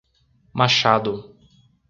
Machado